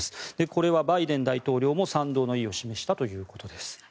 これはバイデン大統領も賛同の意を示したということです。